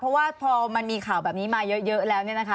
เพราะว่าพอมันมีข่าวแบบนี้มาเยอะแล้ว